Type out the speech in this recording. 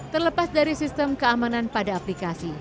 terlepas dari sistem keamanan pada aplikasi